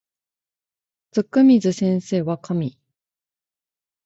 つくみず先生は神